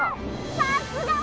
さすが私！